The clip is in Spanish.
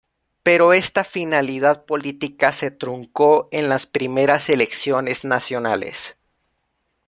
Pero esta finalidad política se truncó en las primeras elecciones nacionales.